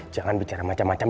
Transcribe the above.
jangan bicara macam macam